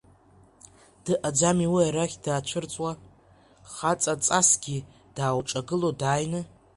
Дыҟаӡам уи арахь даацәырҵуа, хаҵаҵасгьы даауҿагыло дааины.